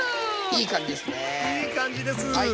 いい感じです。